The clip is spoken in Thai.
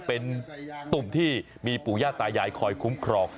เป็นตุ่มที่มีปู่ย่าตายายคอยคุ้มครอง